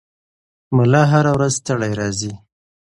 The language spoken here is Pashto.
ملا هره ورځ ستړی راځي.